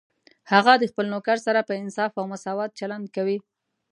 هغه د خپل نوکر سره په انصاف او مساوات چلند کوي